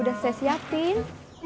udah saya siapin